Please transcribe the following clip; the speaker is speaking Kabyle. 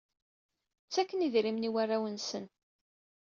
Ttaken idrimen i warraw-nsen.